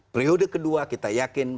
periode kedua kita yakin